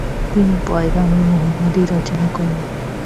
তিনি পয়গামে মুহাম্মদী রচনা করেন।